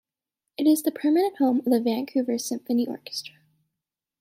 It is the permanent home of the Vancouver Symphony Orchestra.